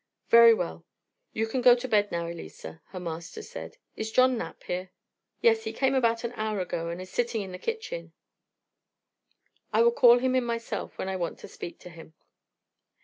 "Very well; you can go to bed now, Elisa," her master said. "Is John Knapp here?" "Yes, he came an hour ago, and is sitting in the kitchen." "I will call him in myself when I want to speak to him."